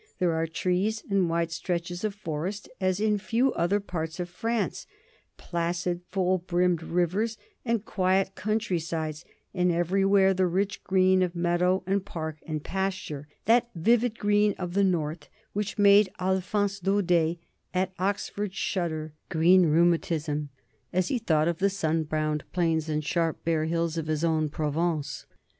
There are trees and wide stretches of forest as in few other parts of France, placid, full brimmed rivers and quiet country* sides, and everywhere the rich green of meadow and park and pasture, that vivid green of the north which made Alphonse Daudet at Oxford shudder, " Green rheumatism," as he thought of the sun browned plains and sharp, bare hills of his own Provence.